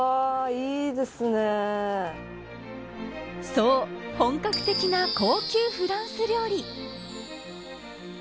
そう本格的な高級フランス料理。